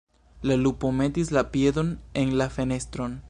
La lupo metis la piedon en la fenestron.